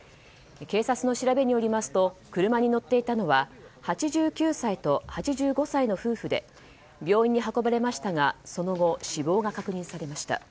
警察の調べによりますと車に乗っていたのは８９歳と８５歳の夫婦で病院に運ばれましたがその後、死亡が確認されました。